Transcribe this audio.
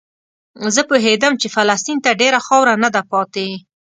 زه پوهېدم چې فلسطین ته ډېره خاوره نه ده پاتې.